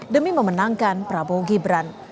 demi memenangkan prabowo gibran